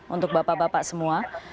untuk bapak bapak semua